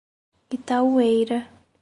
Itaueira